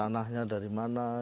tanahnya dari mana